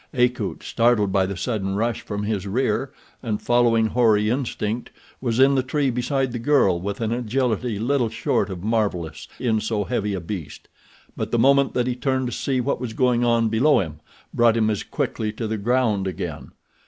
Akut, startled by the sudden rush from his rear, and following hoary instinct, was in the tree beside the girl with an agility little short of marvelous in so heavy a beast. But the moment that he turned to see what was going on below him brought him as quickly to the ground again.